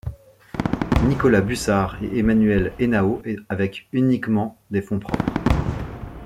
Nicolas Bussard et Emmanuel Henao avec uniquement des fonds propres.